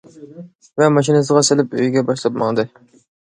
ۋە ماشىنىسىغا سېلىپ ئۆيىگە باشلاپ ماڭدى.